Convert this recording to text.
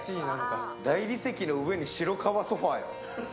大理石の上に白革ソファーよ。